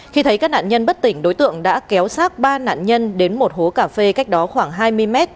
khi thấy các nạn nhân bất tỉnh đối tượng đã kéo sát ba nạn nhân đến một hố cà phê cách đó khoảng hai mươi m